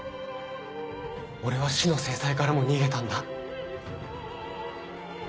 俺は死の制裁からも逃げたんだ。